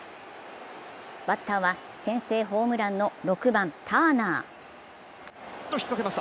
バッターは先制ホームランの６番・ターナー。